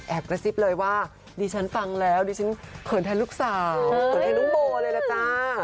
กระซิบเลยว่าดิฉันฟังแล้วดิฉันเขินแทนลูกสาวเขินแทนน้องโบเลยล่ะจ้า